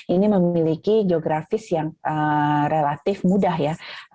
ini memiliki geografis yang relatif mudah ya